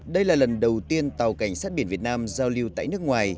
đây là lần đầu tiên tàu cảnh sát biển việt nam giao lưu tại nước ngoài